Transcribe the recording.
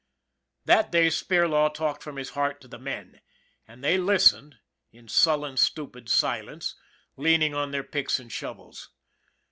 That day Spirlaw talked from his heart to the men, and they listened in sullen, stupid silence, leaning on their picks and shovels.